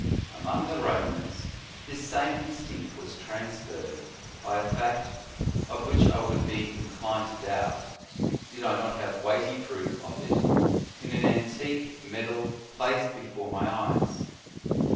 f Among the Romans this same instinct was transferred by a fact, of which I would be in clined to doubt, did I not have weighty proof of it in an antique medal placed before my eyes.